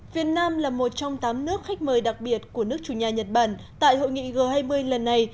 việt nam là một trong tám nước khách mời đặc biệt của nước chủ nhà nhật bản tại hội nghị g hai mươi lần này